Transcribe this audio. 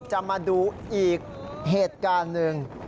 จะมาดูอีกเหตุการณ์หนึ่ง